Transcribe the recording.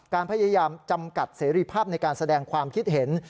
พยายามจำกัดเสรีภาพในการแสดงความคิดเห็น